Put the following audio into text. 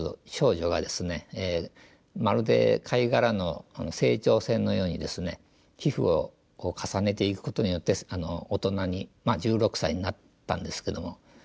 まるで貝殻の成長線のようにですね皮膚を重ねていくことによって大人に１６歳になったんですけども。